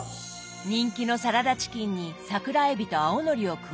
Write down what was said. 人気のサラダチキンに桜えびと青のりを加えた餃子。